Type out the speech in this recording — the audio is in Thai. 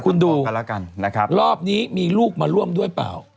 คุณดูรอบนี้มีลูกมาร่วมด้วยเปล่า